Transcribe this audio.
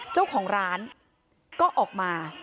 เจ้าของร้านก็ออกมา